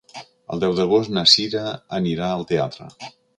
El deu d'agost na Sira anirà al teatre.